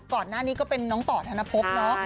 ก่อนหน้านี้ก็เป็นน้องต่อธนภพเนาะ